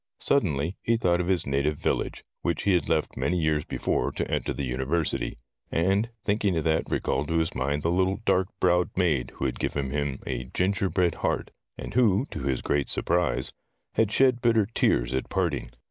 Suddenly he thought of his native village, which he had left many years before to enter the university. And thinking of that recalled to his mind the little dark browed maid who had given him a ginger bread heart, and who, to his great surprise, had shed bitter tears at parting.